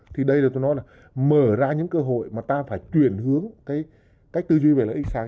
thì đây được tôi nói là mở ra những cơ hội mà ta phải chuyển hướng cái cách tư duy về lợi ích sáng